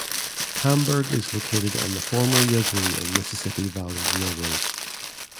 Hamburg is located on the former Yazoo and Mississippi Valley Railroad.